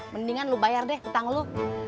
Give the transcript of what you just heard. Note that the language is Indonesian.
mendingan lo bayar deh hutang lo